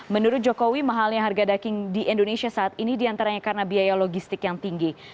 menurut jokowi mahalnya harga daging di indonesia saat ini diantaranya karena biaya logistik yang tinggi